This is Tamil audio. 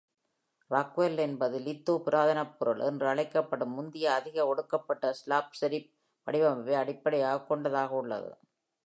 ராக்வெல் என்பது "லித்தோ புராதனப் பொருள்" என்று அழைக்கப்படும் முந்தைய, அதிக ஒடுக்கப்பட்ட ஸ்லாப் செரிஃப் வடிவமைப்பை அடிப்படையாகக் கொண்டதாக உள்ளது.